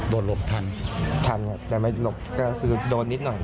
หลบทันทันแต่ไม่หลบก็คือโดนนิดหน่อย